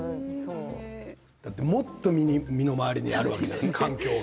もっと身の回りにあるわけじゃないですか、環境が。